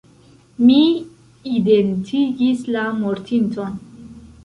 Mi identigis la mortinton.